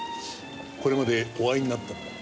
これまでお会いになったのは。